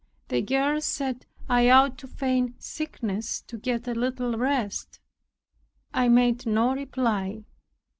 The girls said, "I ought to feign sickness, to get a little rest." I made no reply.